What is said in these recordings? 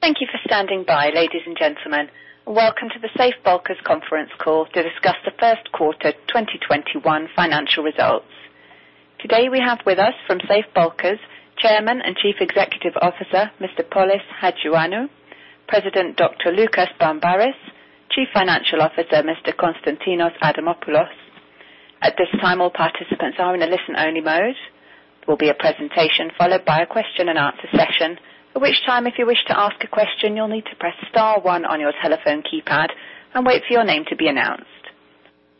Thank you for standing by, ladies and gentlemen. Welcome to the Safe Bulkers conference call to discuss the first quarter 2021 financial results. Today we have with us from Safe Bulkers, Chairman and Chief Executive Officer, Mr. Polys Hajioannou, President, Dr. Loukas Barmparis, Chief Financial Officer, Mr. Konstantinos Adamopoulos. At this time all participants are in an only listen mode, there will be a presentation followed by a question-and-answer session. Each time you wish to ask a question you may need to press star one on your telephone keypad, and wait your name to be announced.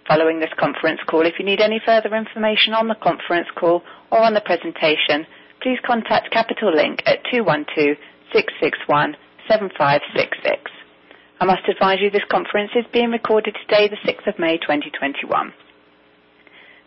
Following this conference call, if you need any further information on the conference call or on the presentation, please contact Capital Link at 212-661-7566. I must advise you this conference is being recorded today, the 6th of May 2021.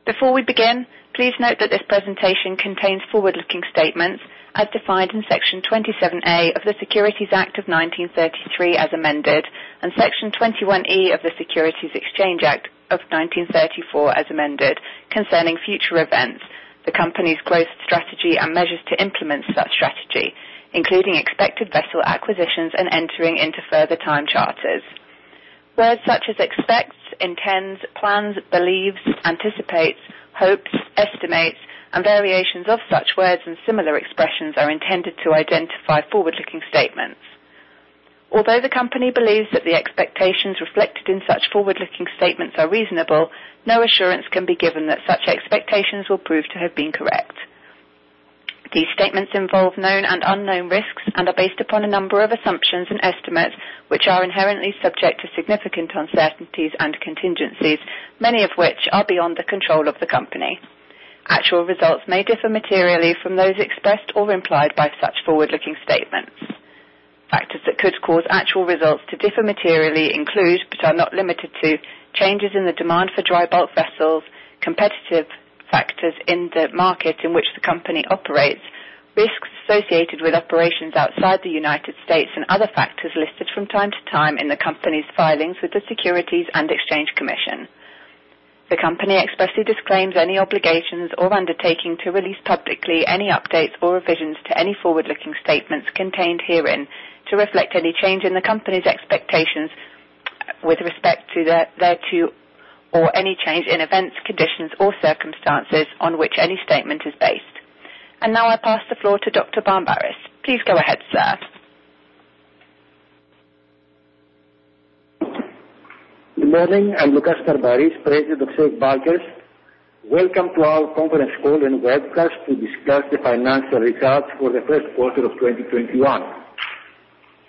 Before we begin, please note that this presentation contains forward-looking statements as defined in Section 27A of the Securities Act of 1933 as amended, and Section 21E of the Securities Exchange Act of 1934 as amended concerning future events, the company's closed strategy, and measures to implement such strategy, including expected vessel acquisitions and entering into further time charters. Words such as expects, intends, plans, believes, anticipates, hopes, estimates, and variations of such words and similar expressions are intended to identify forward-looking statements. Although the company believes that the expectations reflected in such forward-looking statements are reasonable, no assurance can be given that such expectations will prove to have been correct. These statements involve known and unknown risks and are based upon a number of assumptions and estimates, which are inherently subject to significant uncertainties and contingencies, many of which are beyond the control of the company. Actual results may differ materially from those expressed or implied by such forward-looking statements. Factors that could cause actual results to differ materially include, but are not limited to, changes in the demand for dry bulk vessels, competitive factors in the market in which the company operates, risks associated with operations outside the United States, and other factors listed from time to time in the company's filings with the Securities and Exchange Commission. The company expressly disclaims any obligations or undertaking to release publicly any updates or revisions to any forward-looking statements contained herein to reflect any change in the company's expectations with respect thereto or any change in events, conditions, or circumstances on which any statement is based. Now I pass the floor to Dr. Barmparis. Please go ahead, sir. Good morning. I'm Loukas Barmparis, President of Safe Bulkers. Welcome to our conference call and webcast to discuss the financial results for the first quarter of 2021.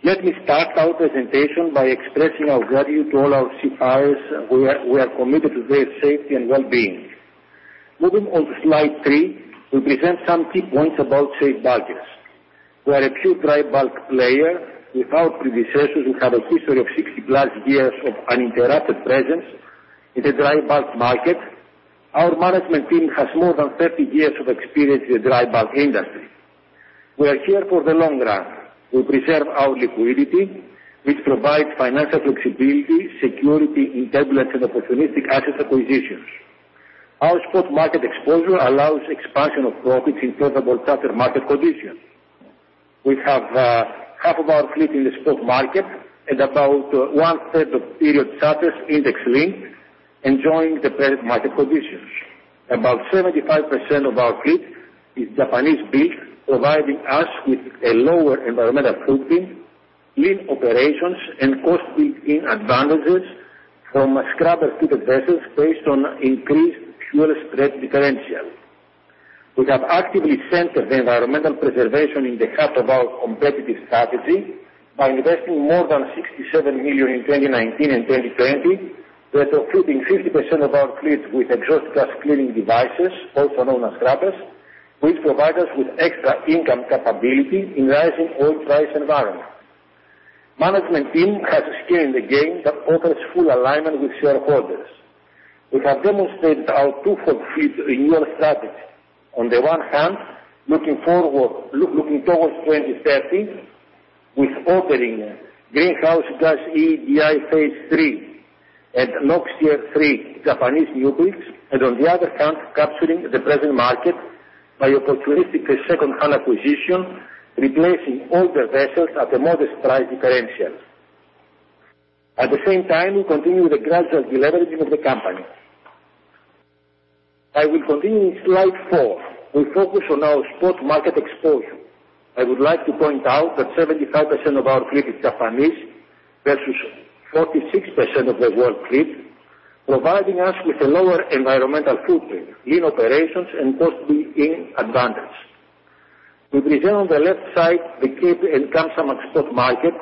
Let me start our presentation by expressing our gratitude to all our seafarers. We are committed to their safety and well-being. Moving on to slide three, we present some key points about Safe Bulkers. We are a pure drybulk player. With our predecessors, we have a history of 60+ years of uninterrupted presence in the drybulk market. Our management team has more than 30 years of experience in the drybulk industry. We are here for the long run. We preserve our liquidity, which provides financial flexibility, security in turbulence, and opportunistic asset acquisitions. Our spot market exposure allows expansion of profits in favorable charter market conditions. We have 1/2 of our fleet in the spot market and about 1/3 of period charters index-linked, enjoying the present market conditions. About 75% of our fleet is Japanese-built, providing us with a lower environmental footprint, lean operations, and cost-saving advantages from scrubber-fitted vessels based on increased fuel spread differential. We have actively centered the environmental preservation in the heart of our competitive strategy by investing more than $67 million in 2019 and 2020, retrofitting 50% of our fleet with exhaust gas cleaning devices, also known as scrubbers, which provide us with extra income capability in rising oil price environment. Management team has skin in the game that offers full alignment with shareholders. We have demonstrated our two-fold fleet renewal strategy. On the one hand, looking towards 2030 with phase iii and NOx Tier 3 Japanese newbuilds. On the other hand, capturing the present market by opportunistic second-hand acquisition, replacing older vessels at a modest price differential. At the same time, we continue the gradual deleveraging of the company. I will continue in slide four. We focus on our spot market exposure. I would like to point out that 75% of our fleet is Japanese versus 46% of the world fleet, providing us with a lower environmental footprint, lean operations, and cost-saving advantage. We present on the left side the Cape and Kamsar spot market,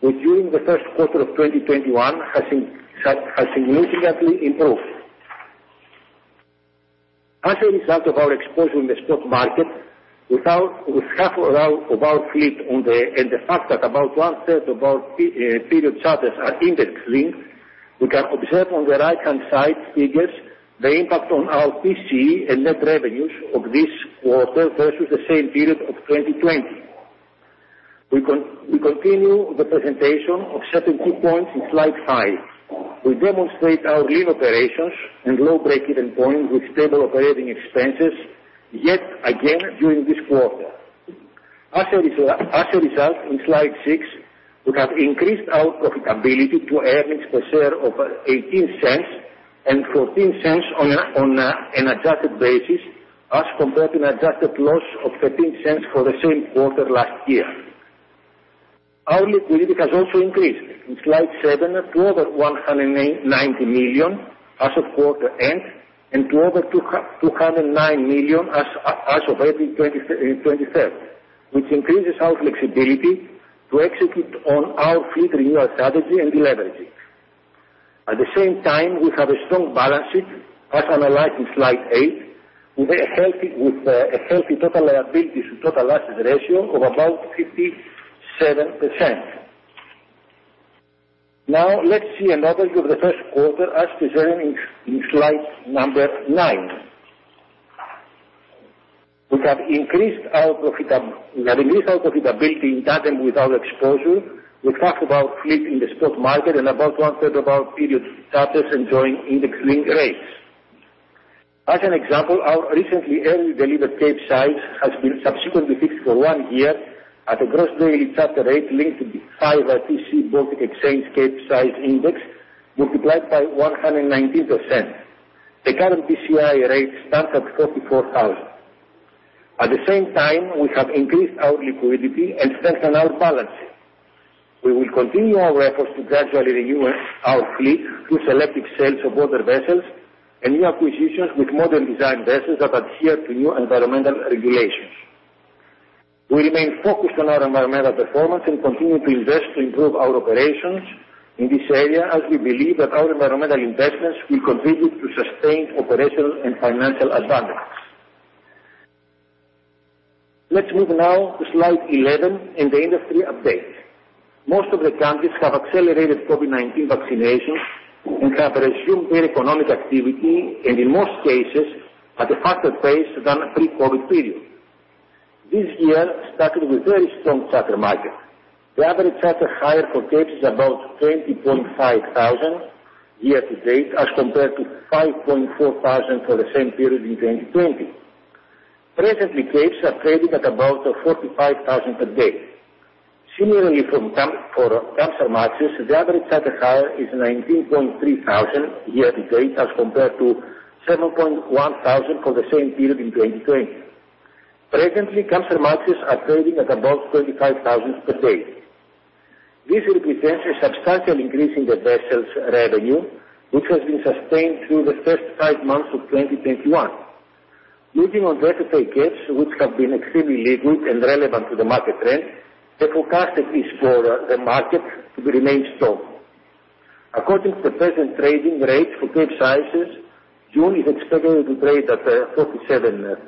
where during the first quarter of 2021 has significantly improved. As a result of our exposure in the spot market, with 1/2 of our fleet and the fact that about 1/3 of our period charters are index-linked, we can observe on the right-hand side figures the impact on our TCE and net revenues of this quarter versus the same period of 2020. We continue the presentation of certain key points in slide five. We demonstrate our lean operations and low break-even point with stable operating expenses yet again during this quarter. As a result, in slide six, we have increased our profitability to earnings per share of $0.18 and $0.14 on an adjusted basis, as compared to an adjusted loss of $0.13 for the same quarter last year. Our liquidity has also increased. In slide seven, to over $190 million as of quarter end, and to over $209 million as of April 23rd, which increases our flexibility to execute on our fleet renewal strategy and deleveraging. At the same time, we have a strong balance sheet, as analyzed in slide eight, with a healthy total liabilities to total assets ratio of about 57%. Let's see an overview of the first quarter as presented in slide number nine. We have increased our profitability in tandem with our exposure. We talk about fleet in the stock market and about 1/3 of our period charters enjoying indexing rates. As an example, our recently early delivered Capesize has been subsequently fixed for one year at a gross daily charter rate linked to the 5TC Baltic Exchange Capesize index multiplied by 119%. The current BCI rate stands at $44,000. At the same time, we have increased our liquidity and strengthened our balance sheet. We will continue our efforts to gradually renew our fleet through selective sales of older vessels and new acquisitions with modern design vessels that adhere to new environmental regulations. We remain focused on our environmental performance and continue to invest to improve our operations in this area as we believe that our environmental investments will contribute to sustained operational and financial advantages. Let's move now to slide 11 and the industry update. Most of the countries have accelerated COVID-19 vaccinations and have resumed their economic activity, and in most cases, at a faster pace than pre-COVID period. This year started with very strong charter markets. The average charter hire for Capes is about $20,500 year-to-date, as compared to $5,400 for the same period in 2020. Presently, Capes are trading at about $45,000 per day. Similarly, for Kamsarmaxes, the average charter hire is $19,300 year-to-date, as compared to $7,100 for the same period in 2020. Presently, Kamsarmaxes are trading at above $35,000 per day. This represents a substantial increase in the vessels revenue, which has been sustained through the first five months of 2021. Leading on year-to-date Capes, which have been extremely good and relevant to the market trend, the forecast is for the market to remain strong. According to the present trading rates for Capesizes, June is expected to trade at $47,000,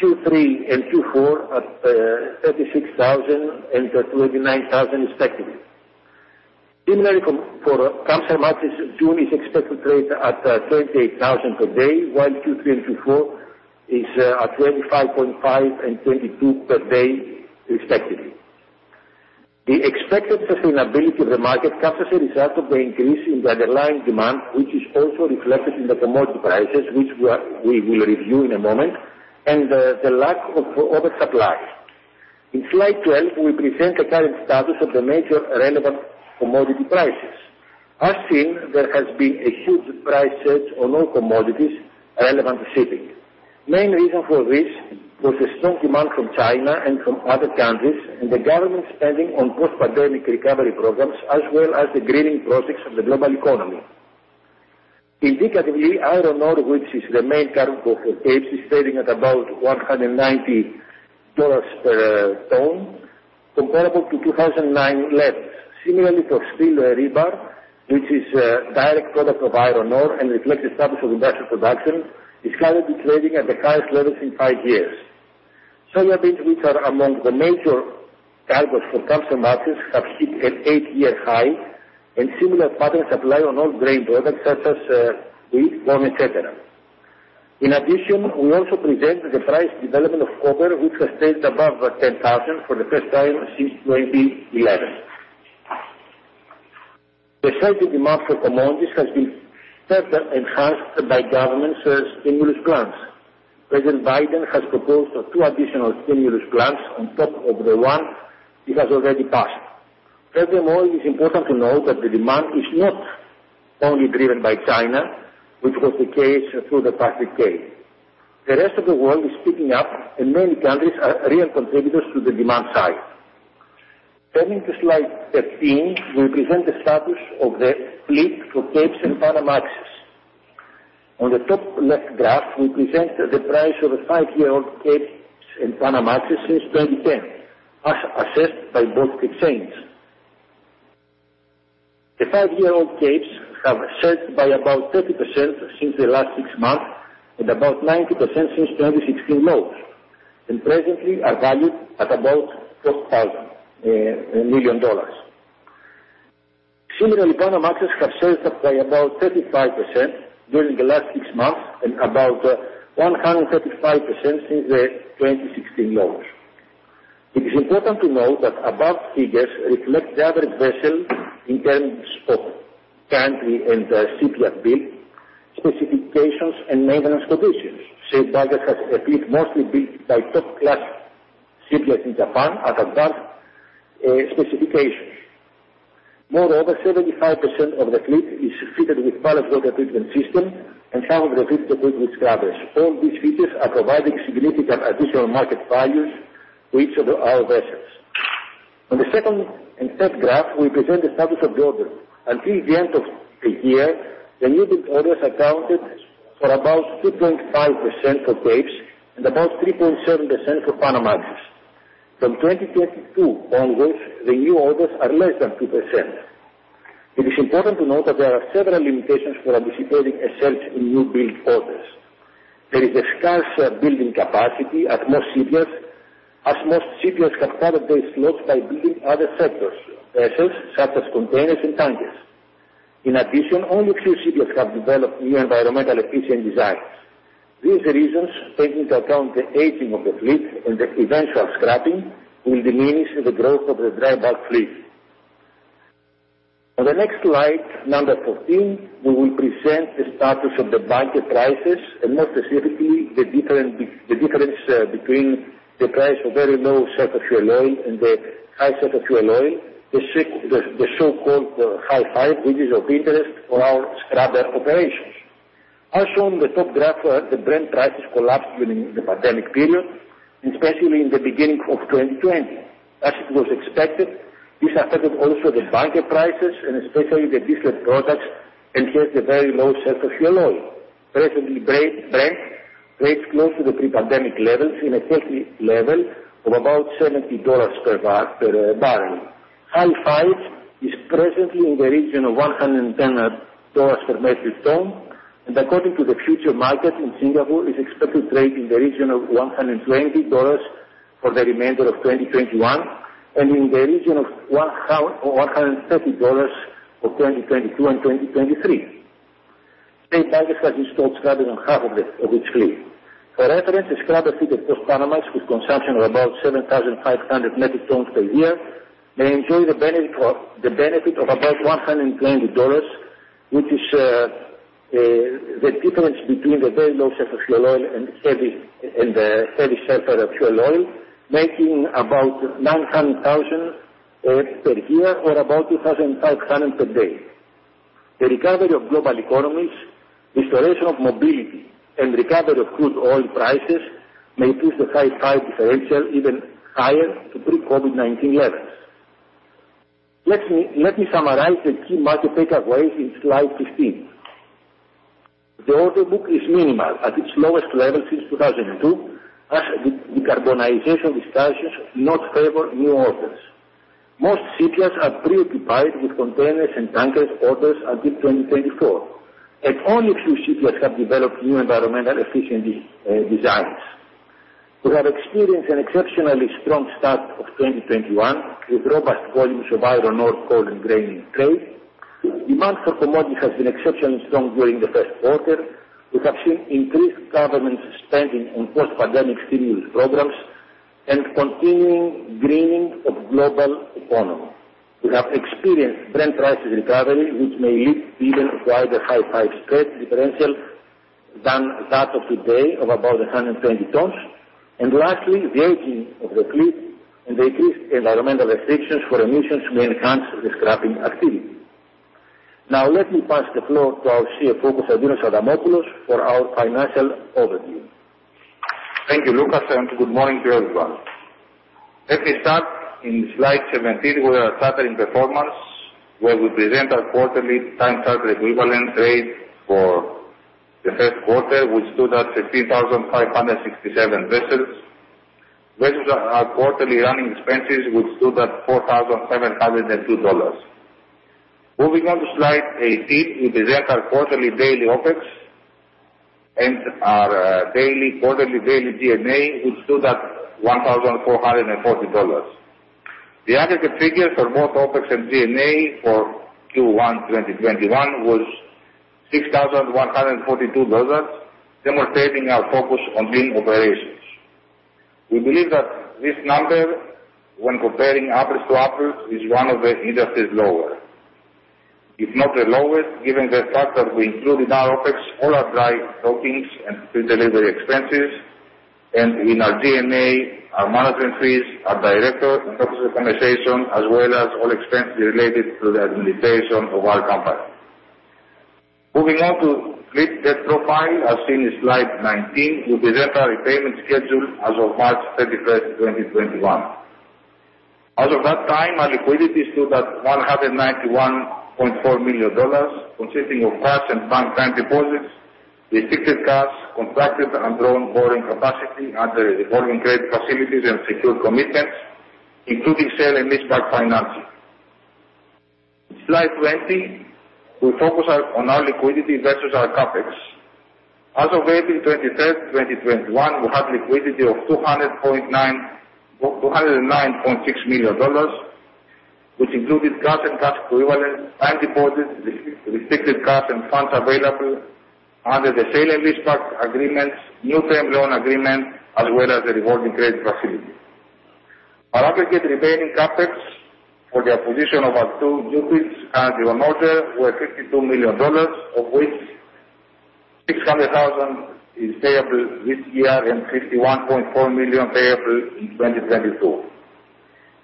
Q3 and Q4 at $36,000 and $29,000 respectively. Similarly, for Kamsarmaxes, June is expected to trade at $38,000 per day, while Q3 and Q4 is at $25,500 and $22,000 per day respectively. The expected sustainability of the market comes as a result of the increase in the underlying demand, which is also reflected in the commodity prices, which we will review in a moment, and the lack of oversupply. In slide 12, we present the current status of the major relevant commodity prices. As seen, there has been a huge price surge on all commodities relevant to shipping. Main reason for this was the strong demand from China and from other countries and the government spending on post-pandemic recovery programs, as well as the greening projects of the global economy. Indicatively, iron ore, which is the main cargo for Capes, is trading at about $190 per ton, comparable to 2009 levels. Similarly, for steel rebar, which is a direct product of iron ore and reflects the status of industrial production, is currently trading at the highest levels in five years. Soybeans, which are among the major cargos for Kamsarmaxes, have hit an eight-year high, and similar patterns apply on all grain products such as wheat, corn, et cetera. In addition, we also present the price development of copper, which has stayed above $10,000 for the first time since 2011. The rising demand for commodities has been further enhanced by government stimulus plans. President Biden has proposed two additional stimulus plans on top of the one he has already passed. Furthermore, it is important to note that the demand is not only driven by China, which was the case through the past decade. The rest of the world is picking up and many countries are real contributors to the demand side. Turning to slide 13, we present the status of the fleet for Capes and Panamax. On the top left graph, we present the price of a five-year-old Capes and Panamax since 2010, as assessed by the Baltic Exchange. The five-year-old Capes have surged by about 30% since the last six months and about 90% since 2016 lows, and presently are valued at about $12 million. Similarly, Panamaxes have surged up by about 35% during the last six months and about 135% since the 2016 lows. It is important to note that above figures reflect the average vessel in terms of country and shipyard built, specifications, and maintenance conditions. Safe Bulkers has a fleet mostly built by top-class shipyards in Japan and advanced specifications. Moreover, 75% of the fleet is fitted with Ballast Water Treatment System and some of the fleet equipped with scrubbers. All these features are providing significant additional market values to each of our vessels. On the second and third graph, we present the status of the order. Until the end of the year, the newbuild orders accounted for about 3.5% for Capes and about 3.7% for Panamax. From 2032 onwards, the new orders are less than 2%. It is important to note that there are several limitations for anticipating a surge in newbuild orders. There is a scarce building capacity as most shipyards have tied up their slots by building other sectors vessels, such as containers and tankers. In addition, only few shipyards have developed new environmentally efficient designs. These reasons take into account the aging of the fleet and the eventual scrapping will diminish the growth of the dry bulk fleet. On the next slide, number 14, we will present the status of the bunker prices and more specifically, the difference between the price of Very Low Sulfur Fuel Oil and the High Sulfur Fuel Oil, the so-called Hi5, which is of interest for our scrubber operations. As shown on the top graph, the Brent prices collapsed during the pandemic period, especially in the beginning of 2020. As it was expected, this affected also the bunker prices and especially the different products, and hence, the Very Low Sulfur Fuel Oil. Presently, Brent trades close to the pre-pandemic levels in a healthy level of about $70 per barrel. Hi5 is presently in the region of $110 per metric ton, and according to the future market in Singapore, is expected to trade in the region of $120 for the remainder of 2021 and in the region of $130 for 2022 and 2023. Safe Bulkers has installed scrubbers on half of its fleet. For reference, a scrubber-fitted Post-Panamax with consumption of about 7,500 metric tons per year may enjoy the benefit of about $120, which is the difference between the Very Low Sulfur Fuel Oil and the High Sulfur Fuel Oil, making about $900,000 per year or about $2,500 per day. The recovery of global economies, restoration of mobility, and recovery of crude oil prices may push the Hi5 differential even higher to pre-COVID-19 levels. Let me summarize the key market takeaways in slide 15. The order book is minimal, at its lowest level since 2002, as the decarbonization discussions do not favor new orders. Most shipyards are pre-occupied with containers and tankers orders until 2024, only few shipyards have developed new environmental efficient designs. We have experienced an exceptionally strong start of 2021, with robust volumes of iron ore, coal, and grain in trade. Demand for commodity has been exceptionally strong during the first quarter. We have seen increased government spending on post-pandemic stimulus programs and continuing greening of global economy. We have experienced Brent prices recovery, which may lead even to wider Hi5 spread differential than that of today of about 120 tons. Lastly, the aging of the fleet and the increased environmental restrictions for emissions may enhance the scrapping activity. Now, let me pass the floor to our CFO, Konstantinos Adamopoulos, for our financial overview. Thank you, Loukas, and good morning to everyone. Let me start in slide 17 with our chartering performance, where we present our quarterly time charter equivalent rate for the first quarter, which stood at $16,567 versus our quarterly running expenses, which stood at $4,702. Moving on to slide 18, we present our quarterly daily OpEx and our quarterly daily G&A, which stood at $1,440. The aggregate figures for both OpEx and G&A for Q1 2021 was $6,142, demonstrating our focus on lean operations. We believe that this number, when comparing apples to apples, is one of the industry's lower, if not the lowest, given the fact that we include in our OpEx all our dry dockings and pre-delivery expenses, and in our G&A, our management fees, our director and officer compensation, as well as all expenses related to the administration of our company. Moving on to fleet debt profile, as seen in slide 19, we present our repayment schedule as of March 31st, 2021. As of that time, our liquidity stood at $191.4 million, consisting of cash and bank term deposits, restricted cash, contracted and drawn borrowing capacity under revolving credit facilities and secured commitments, including sale and leaseback financing. In slide 20, we focus on our liquidity versus our CapEx. As of April 23rd, 2021, we have liquidity of $209.6 million, which included cash and cash equivalents and deposits, restricted cash, and funds available under the sale and leaseback agreements, new term loan agreement, as well as the revolving credit facility. Our aggregate remaining CapEx for the acquisition of our two new builds and the on order were $62 million, of which $600,000 is payable this year and $51.4 million payable in 2022.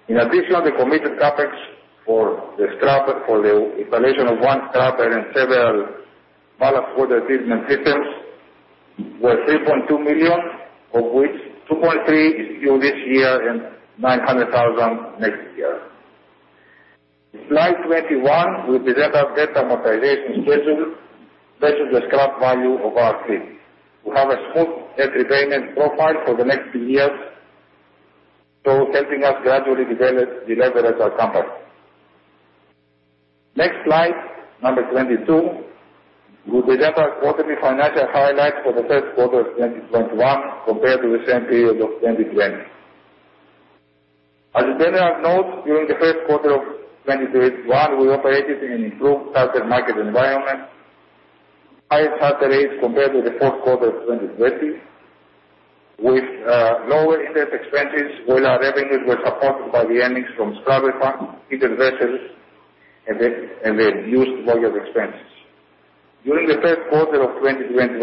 In addition, the committed CapEx for the scrubber, for the installation of one scrubber and several Ballast Water Treatment Systems, were $3.2 million, of which $2.3 million is due this year and $900,000 next year. In slide 21, we present our debt amortization schedule versus the scrap value of our fleet. We have a smooth debt repayment profile for the next few years, so helping us gradually de-leverage our company. Next slide, number 22, we present our quarterly financial highlights for the first quarter of 2021 compared to the same period of 2020. As a general note, during the first quarter of 2021, we operated in an improved charter market environment, higher hire rates compared to the fourth quarter of 2020, with lower interest expenses while our revenues were supported by the earnings from scrubber-fitted vessels, and the reduced bunker expenses. During the first quarter of 2021,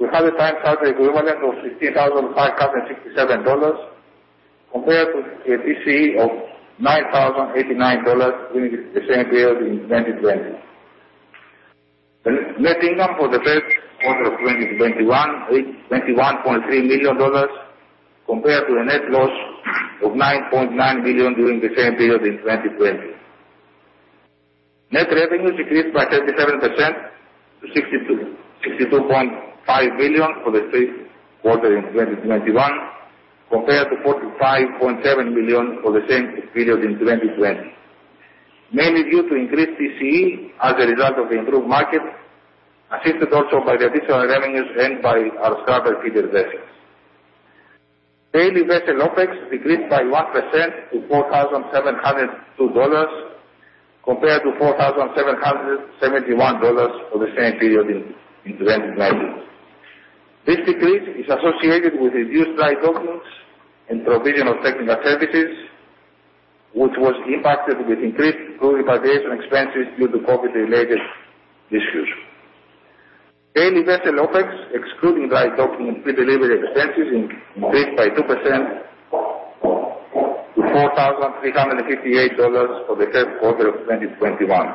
we had a time charter equivalent of $16,567 compared to a TCE of $9,089 during the same period in 2020. The net income for the first quarter of 2021 reached $21.3 million compared to a net loss of $9.9 million during the same period in 2020. Net revenues increased by 37% to $62.5 million for the first quarter in 2021 compared to $45.7 million for the same period in 2020, mainly due to increased TCE as a result of the improved market, assisted also by the additional revenues earned by our scrubber-fitted vessels. Daily vessel OpEx decreased by 1% to $4,702 compared to $4,771 for the same period in 2019. This decrease is associated with reduced dry docking and provision of technical services, which was impacted with increased crew repatriation expenses due to COVID-related issues. Daily vessel OpEx, excluding dry docking and pre-delivery expenses, increased by 2% to $4,358 for the first quarter of 2021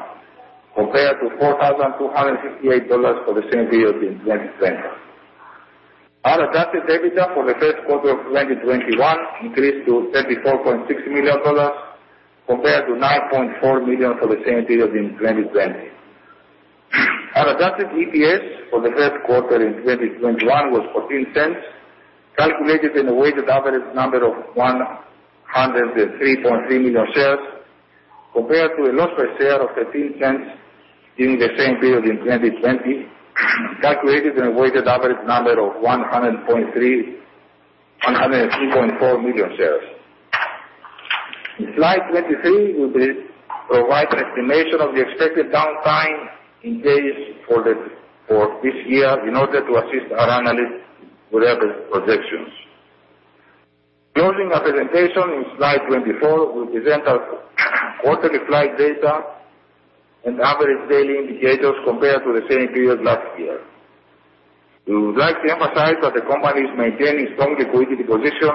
compared to $4,258 for the same period in 2020. Our adjusted EBITDA for the first quarter of 2021 increased to $34.6 million compared to $9.4 million for the same period in 2020. Our adjusted EPS for the first quarter in 2021 was $0.14, calculated in a weighted average number of 103.3 million shares compared to a loss per share of $0.13 during the same period in 2020, calculated in a weighted average number of 103.4 million shares. In slide 23, we provide an estimation of the expected downtime in days for this year in order to assist our analysts with their projections. Closing our presentation in slide 24, we present our quarterly fleet data and average daily indicators compared to the same period last year. We would like to emphasize that the company is maintaining strong liquidity position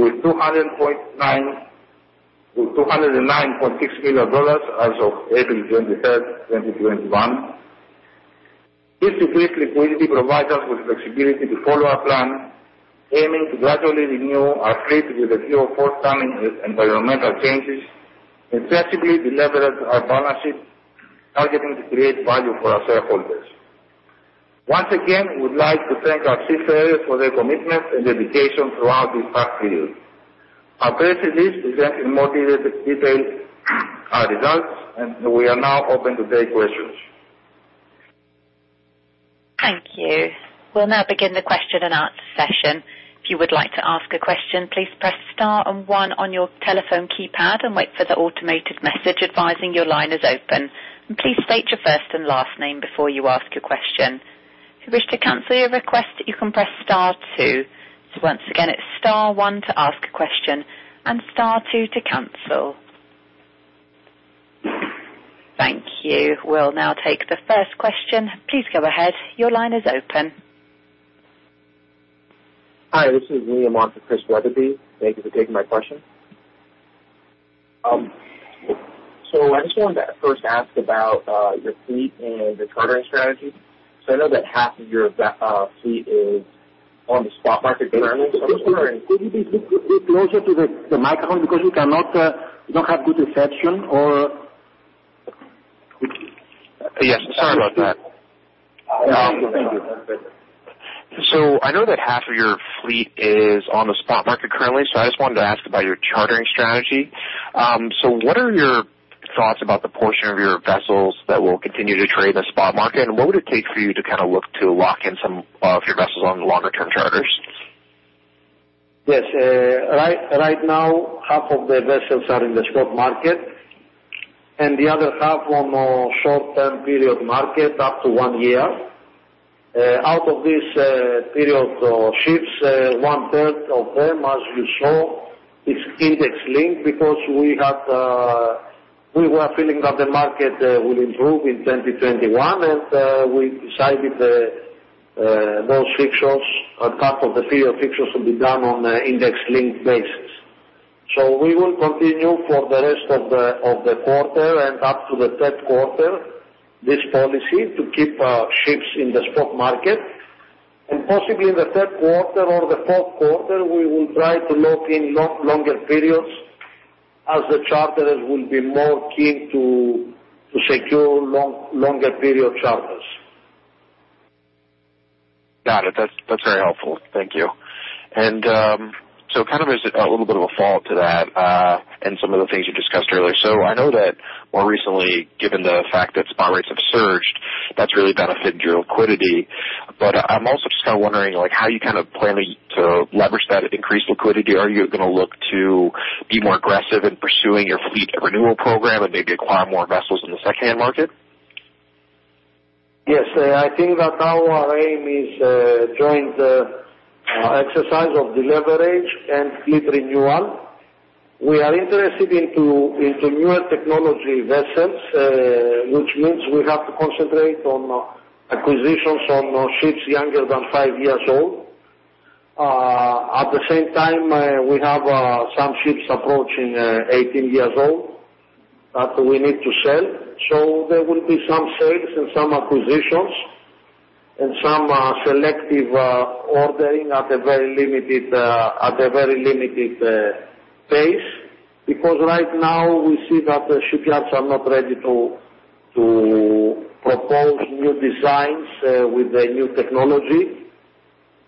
with $209.6 million as of April 23rd, 2021. This decreased liquidity provides us with flexibility to follow our plan, aiming to gradually renew our fleet with a view of forthcoming environmental changes and progressively de-leverage our balance sheet, targeting to create value for our shareholders. Once again, we would like to thank our seafarers for their commitment and dedication throughout this past period. Our press release presents in more detail our results. We are now open to take questions. Thank you. We'll now begin the question-and-answer session. If you would like to ask a question, please press star one on your telephone keypad and wait for the automated message advising your line is open. Please state your first and last name before you ask your question. If you wish to cancel your request, you can press star two. Once again, it's star one to ask a question and star two to cancel. Thank you. We'll now take the first question. Please go ahead. Your line is open. Hi, this is Liam on for Christian Wetherbee. Thank you for taking my question. I just wanted to first ask about your fleet and your chartering strategy. I know that half of your fleet is on the spot market currently. Could you please speak closer to the microphone because we don't have good reception. Yes, sorry about that. Thank you. I know that half of your fleet is on the spot market currently. I just wanted to ask about your chartering strategy. What are your thoughts about the portion of your vessels that will continue to trade in the spot market, and what would it take for you to look to lock in some of your vessels on the longer-term charters? Yes. Right now, 1/2 of the vessels are in the spot market and the other 1/2 on short-term period market up to one year. Out of this period of ships, 1/3 of them, as you saw, is index-linked because we were feeling that the market will improve in 2021. We decided those fixtures on top of the period fixtures will be done on an index-linked basis. We will continue for the rest of the quarter and up to the third quarter, this policy to keep our ships in the spot market. Possibly in the third quarter or the fourth quarter, we will try to lock in longer periods as the charterers will be more keen to secure longer period charters. Got it. That's very helpful. Thank you. There’s a little bit of a follow-up to that and some of the things you discussed earlier. I know that more recently, given the fact that spot rates have surged, that's really benefiting your liquidity. I'm also just wondering, how you are planning to leverage that increased liquidity. Are you going to look to be more aggressive in pursuing your fleet renewal program and maybe acquire more vessels in the secondhand market? Yes. I think that now our aim is during the exercise of deleverage and fleet renewal. We are interested into newer technology vessels, which means we have to concentrate on acquisitions on ships younger than five years old. At the same time, we have some ships approaching 18 years old that we need to sell. There will be some sales and some acquisitions and some selective ordering at a very limited pace. Right now we see that the shipyards are not ready to propose new designs with the new technology.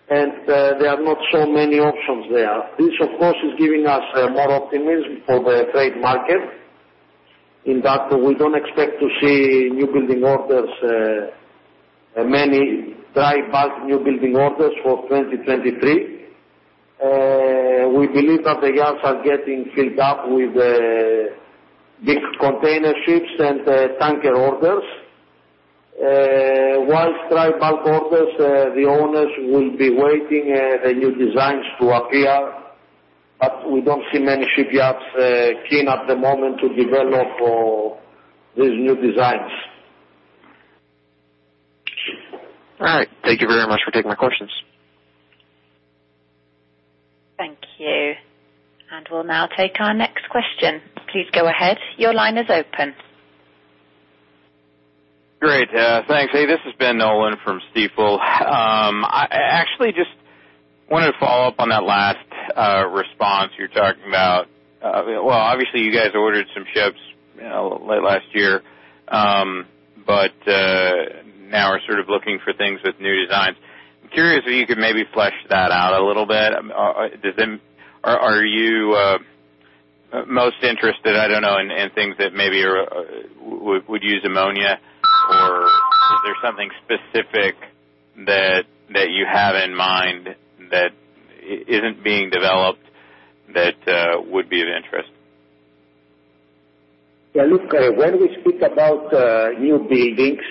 There are not so many options there. This, of course, is giving us more optimism for the trade market in that we don't expect to see many dry bulk new building orders for 2023. We believe that the yards are getting filled up with big container ships and tanker orders. While dry bulk orders, the owners will be waiting the new designs to appear, but we don't see many shipyards keen at the moment to develop these new designs. All right. Thank you very much for taking my questions. Thank you. We'll now take our next question. Please go ahead. Your line is open. Great. Thanks. Hey, this is Ben Nolan from Stifel. I actually just wanted to follow up on that last response you were talking about. Well, obviously you guys ordered some ships late last year. Now are sort of looking for things with new designs. I'm curious if you could maybe flesh that out a little bit. Are you most interested, I don't know, in things that maybe would use ammonia? Is there something specific that you have in mind that isn't being developed that would be of interest? Yeah, look, when we speak about new buildings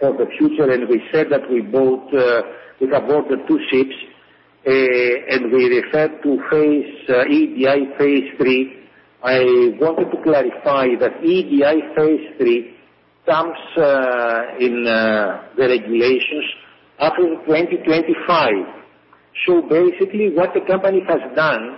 for the future, we said that we have ordered two ships, EEDI phase III, i wanted to clarify that IMO phase III comes in the regulations after 2025. Basically, what the company has done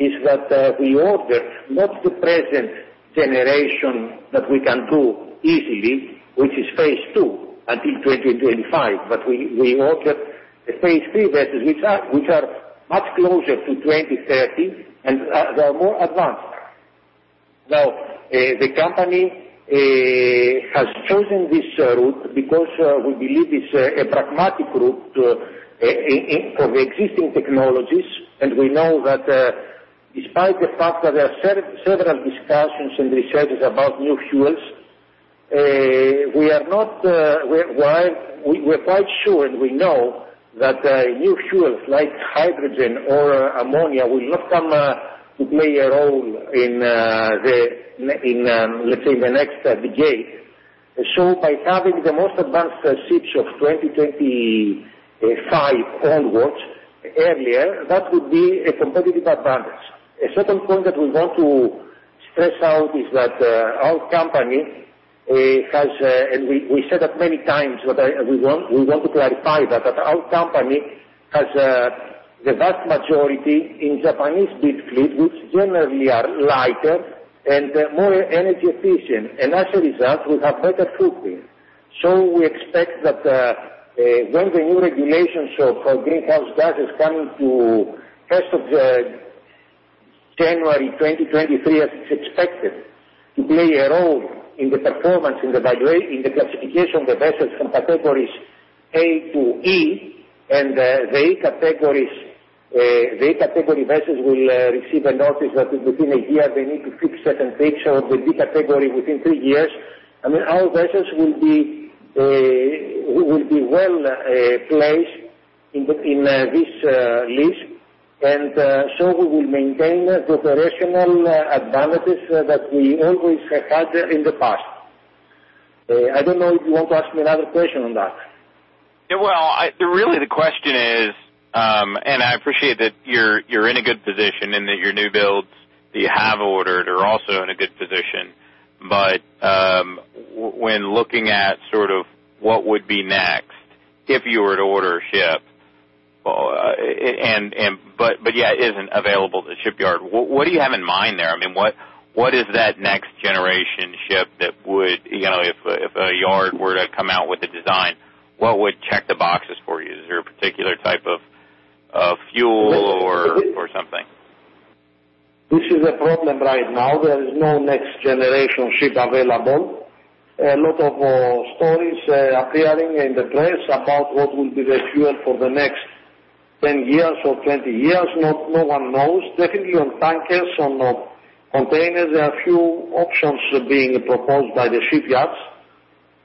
is that we ordered not the present generation that we can do easily, which is phase II until 2025. We phase III vessels, which are much closer to 2030, they are more advanced. Now, the company has chosen this route because we believe it's a pragmatic route of existing technologies. We know that despite the fact that there are several discussions and researches about new fuels, we're quite sure we know that new fuels like hydrogen or ammonia will not come to play a role in, let's say, in the next decade. By having the most advanced ships of 2025 onwards earlier, that would be a competitive advantage. A second point that we want to stress out is that our company has, and we said that many times that we want to clarify that our company has the vast majority in Japanese fleet, which generally are lighter and more energy efficient. As a result, we have better footprint. We expect that when the new regulations for greenhouse gas is coming to 1st of January 2023, as it's expected to play a role in the performance in the classification of the vessels and categories A to E, and the A category vessels will receive a notice that within a year they need to fix certain things or the B category within three years. Our vessels will be well-placed in this list. We will maintain the operational advantages that we always had in the past. I don't know if you want to ask me another question on that? Really the question is, and I appreciate that you're in a good position and that your new builds that you have ordered are also in a good position. When looking at what would be next if you were to order a ship, but yeah, isn't available at the shipyard, what do you have in mind there? What is that next-generation ship that would, if a yard were to come out with a design, what would check the boxes for you? Is there a particular type of fuel or something? This is a problem right now. There is no next-generation ship available. A lot of stories appearing in the press about what will be the fuel for the next 10 years or 20 years. No one knows. Definitely on tankers, on containers, there are a few options being proposed by the shipyards,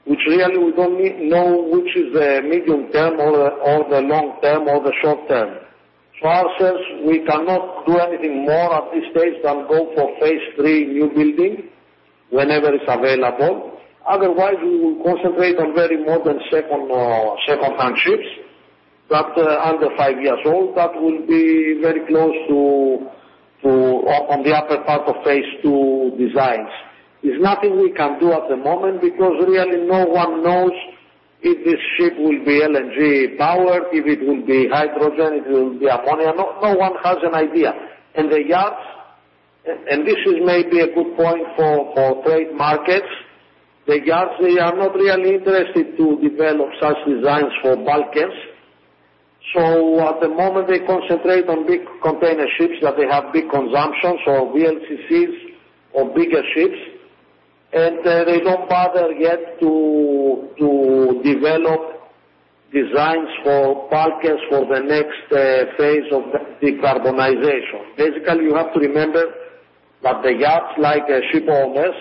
which really we don't know which is the medium-term or the long-term or the short-term. For ourselves, we cannot do anything more at this stage phase III new building whenever it's available. Otherwise, we will concentrate on very modern secondhand ships that are under five years old, that will be very close on the upper part phase II designs. There's nothing we can do at the moment because really no one knows if this ship will be LNG powered, if it will be hydrogen, it will be ammonia. No one has an idea. The yards, and this is maybe a good point for freight markets, the yards, they are not really interested to develop such designs for bulkers. At the moment they concentrate on big container ships that they have big consumption, VLCCs or bigger ships, and they don't bother yet to develop designs for bulkers for the next phase of decarbonization. Basically, you have to remember that the yards, like ship owners,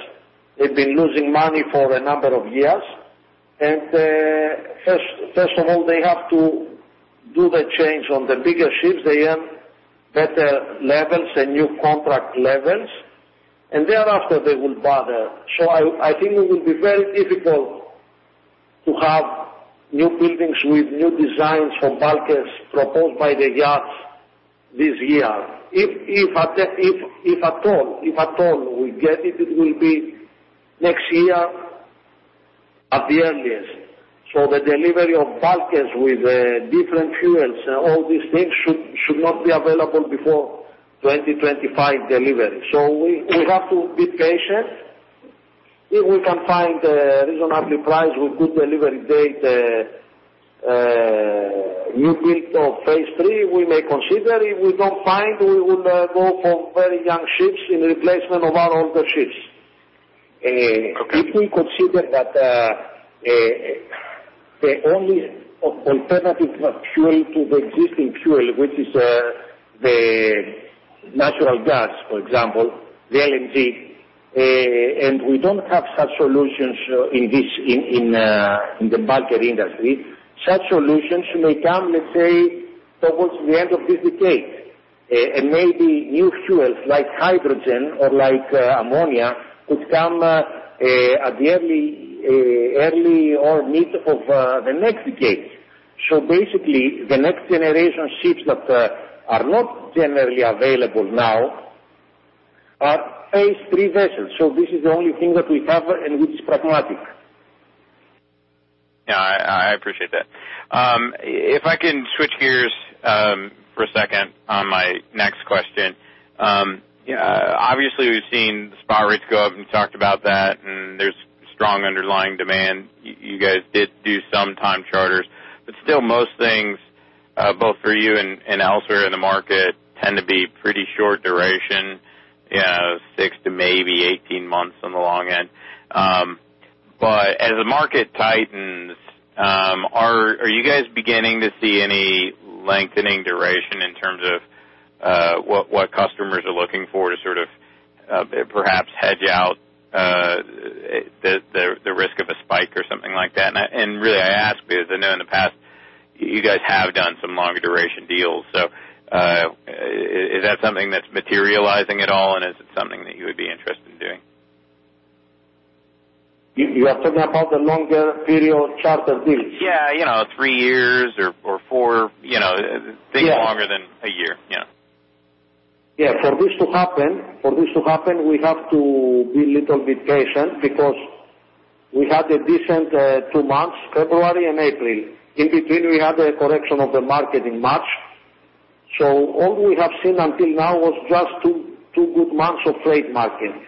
they've been losing money for a number of years. First of all, they have to do the change on the bigger ships. They earn better levels and new contract levels, and thereafter they will bother. I think it will be very difficult to have new buildings with new designs for bulkers proposed by the yards this year. If at all we get it will be next year at the earliest. The delivery of bulkers with different fuels and all these things should not be available before 2025 delivery. We have to be patient. If we can find a reasonably priced with good delivery date phase III, we may consider. If we don't find, we would go for very young ships in replacement of our older ships. If we consider that the only alternative of fuel to the existing fuel, which is the natural gas, for example, the LNG, and we don't have such solutions in the bulker industry, such solutions may come, let's say, towards the end of this decade. Maybe new fuels like hydrogen or like ammonia could come at the early or mid of the next decade. Basically, the next-generation ships that are not generally available now phase III vessels. This is the only thing that we have and which is pragmatic. Yeah, I appreciate that. I can switch gears for a second on my next question. Obviously, we've seen the spot rates go up, and you talked about that, and there's strong underlying demand. You guys did do some time charters, but still most things, both for you and elsewhere in the market, tend to be pretty short duration, six to maybe 18 months on the long end. As the market tightens, are you guys beginning to see any lengthening duration in terms of what customers are looking for to perhaps hedge out the risk of a spike or something like that? Really I ask because I know in the past you guys have done some longer duration deals. Is that something that's materializing at all, and is it something that you would be interested in doing? You are talking about the longer period charter deals? Yeah. Three years or four. Yeah. Things longer than a year. Yeah. Yeah. For this to happen, we have to be a little bit patient because we had a decent two months, February and April. In between, we had a correction of the market in March. All we have seen until now was just two good months of freight markets,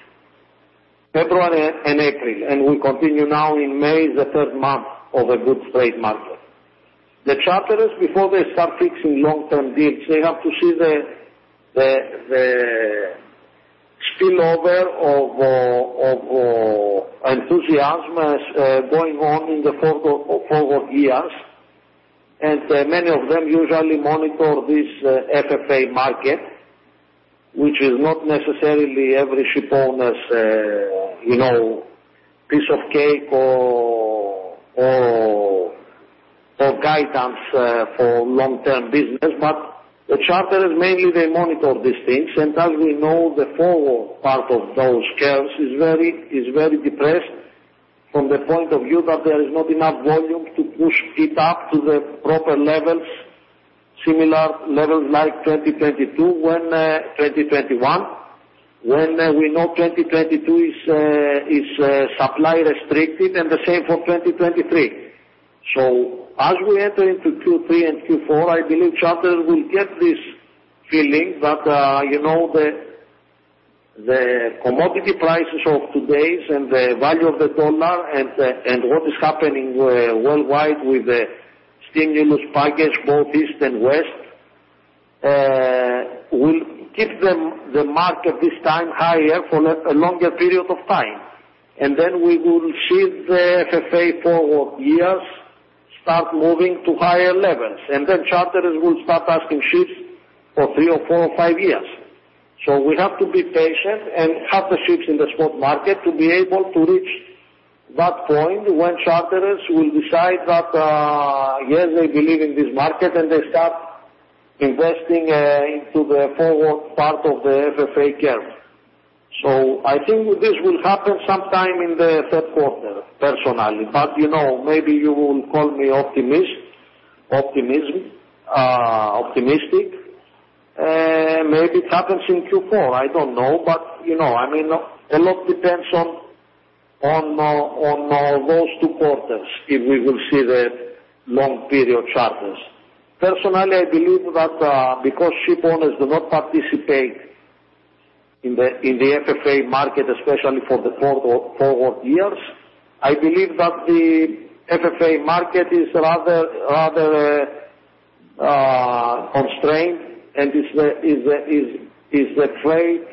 February and April, and we continue now in May, the third month of a good freight market. The charterers, before they start fixing long-term deals, they have to see the spillover of enthusiasm going on in the forward years. And many of them usually monitor this FFA market, which is not necessarily every ship owner’s piece of cake or guidance for long-term business. The charterers mainly they monitor these things, and as we know, the forward part of those curves is very depressed from the point of view that there is not enough volume to push it up to the proper levels. Similar levels like 2022, when 2021, when we know 2022 is supply restricted, and the same for 2023. As we enter into Q3 and Q4, I believe charterers will get this feeling that the commodity prices of today and the value of the dollar and what is happening worldwide with the stimulus package, both East and West, will keep the market this time higher for a longer period of time. We will see the FFA forward years start moving to higher levels, and then charterers will start asking ships for three or four or five years. We have to be patient and have the ships in the spot market to be able to reach that point when charterers will decide that, yes, they believe in this market, and they start investing into the forward part of the FFA curve. I think this will happen sometime in the third quarter, personally. Maybe you will call me optimistic. Maybe it happens in Q4, I don't know. A lot depends on those two quarters, if we will see the long-period charters. I believe that because ship owners do not participate in the FFA market, especially for the forward years, I believe that the FFA market is rather constrained, and the freight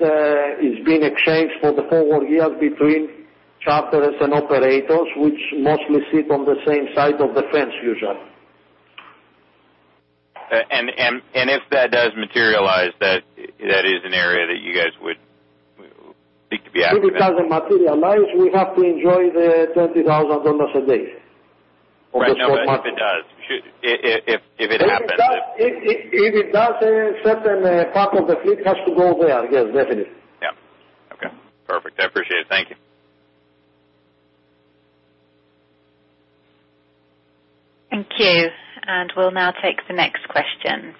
is being exchanged for the forward years between charterers and operators, which mostly sit on the same side of the fence usually. If that does materialize, that is an area that you guys would seek to be active in? If it doesn’t materialize, we have to enjoy the $20,000 a day. Right. No, if it does. If it happens. If it does, a certain part of the fleet has to go there. Yes, definitely. Yeah. Okay, perfect. I appreciate it. Thank you. Thank you. We'll now take the next question.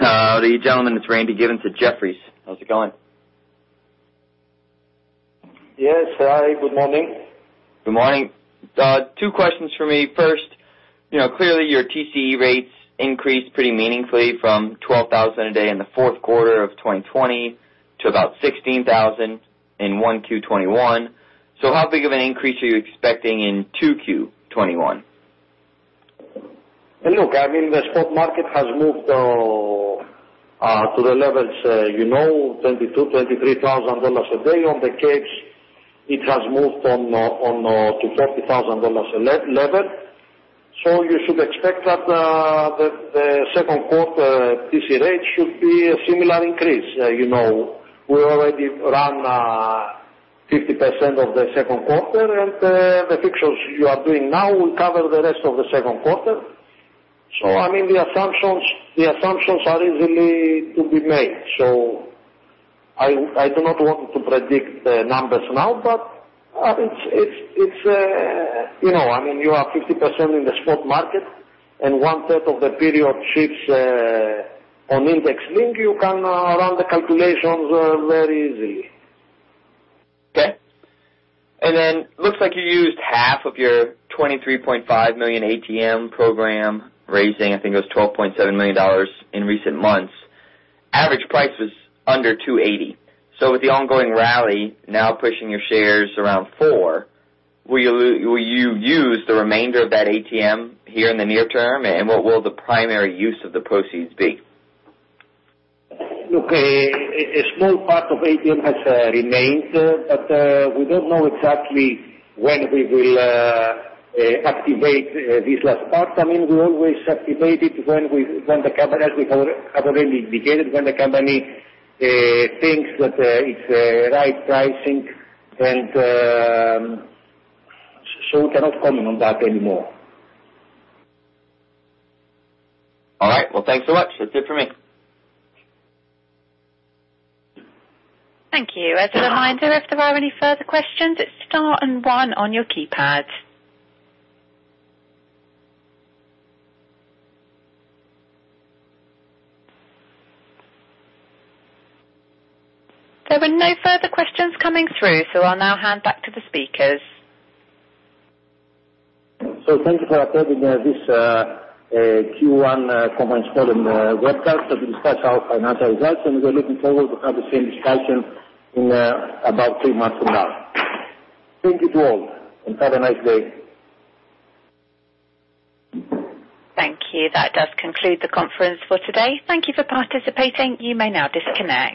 How are you, gentlemen. It's Randy Giveans to Jefferies. How's it going? Yes, Randy. Good morning. Good morning. Two questions for me. First, clearly your TCE rates increased pretty meaningfully from $12,000 a day in the fourth quarter of 2020 to about $16,000 in 1Q 2021. How big of an increase are you expecting in 2Q 2021? Look, the spot market has moved to the levels, $22,000, $23,000 a day. On the Capes, it has moved to $40,000 a level. You should expect that the second quarter TCE rate should be a similar increase. We already ran 50% of the second quarter, and the fixtures you are doing now will cover the rest of the second quarter. The assumptions are easily to be made. I do not want to predict the numbers now, but you are 50% in the spot market and one third of the period ships on index link, you can run the calculations very easily. Okay. Looks like you used 1/2 of your $23.5 million ATM program, raising, I think it was $12.7 million in recent months. Average price was under $2.80. With the ongoing rally now pushing your shares around $4, will you use the remainder of that ATM here in the near term, and what will the primary use of the proceeds be? Look, a small part of ATM has remained, but we don't know exactly when we will activate this last part. We always activate it, as we have already indicated, when the company thinks that it's the right pricing. We cannot comment on that anymore. All right. Well, thanks so much. That's it for me. Thank you. As a reminder, if there are any further questions, it's star and one on your keypad. There were no further questions coming through, I'll now hand back to the speakers. Thank you for attending this Q1 conference call and webcast as we discuss our financial results, and we're looking forward to have the same discussion in about three months from now. Thank you to all, and have a nice day. Thank you. That does conclude the conference for today. Thank you for participating. You may now disconnect.